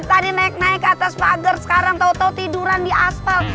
tadi naik naik ke atas pagar sekarang tau tau tiduran di aspal